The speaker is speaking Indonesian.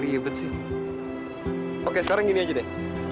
ribet sih oke sekarang gini aja deh